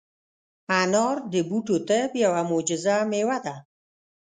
انار د بوټو طب یوه معجزه مېوه ده.